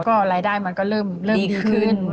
ก็รายได้มันก็เริ่มดีขึ้น